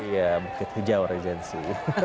iya bukit hijau regency